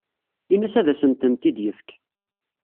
Ini-as ad asent-tent-id-yefk.